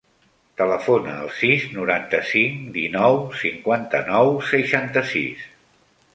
Telefona al sis, noranta-cinc, dinou, cinquanta-nou, seixanta-sis.